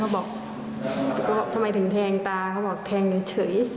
บอกก็ทำไมถึงแทงตาเขาบอกแทงเฉย